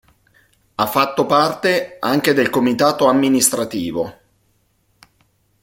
Ha fatto parte anche del comitato amministrativo.